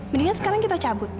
mendingan sekarang kita cabut